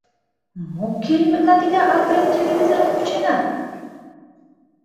— Мо кереметлан тиде акрет телевизорым кученат?